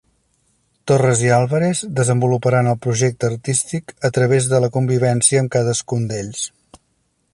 Torres i Álvarez desenvoluparan el projecte artístic a través de la convivència amb cadascun d'ells.